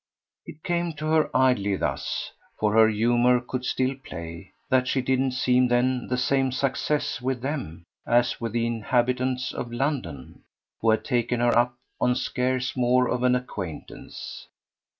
It came to her idly thus for her humour could still play that she didn't seem then the same success with them as with the inhabitants of London, who had taken her up on scarce more of an acquaintance.